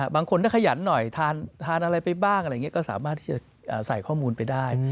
บางคนก็ขยันหน่อยทานอะไรไปบ้างอะไรอย่างนี้ก็สามารถที่จะใส่ข้อมูลไปได้